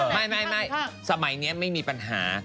ไม่สมัยนี้ไม่มีปัญหา